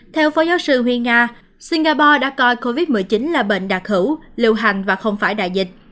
theo phó giáo sư nguyễn nga singapore đã coi covid một mươi chín là bệnh đạt hữu liều hành và không phải đại dịch